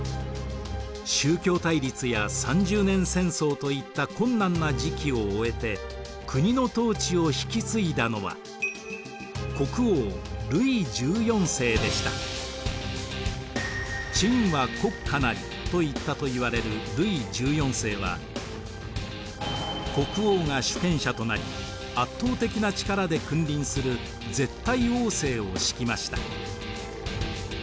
宗教対立や三十年戦争といった困難な時期を終えて国の統治を引き継いだのはと言ったといわれるルイ１４世は国王が主権者となり圧倒的な力で君臨する絶対王政を敷きました。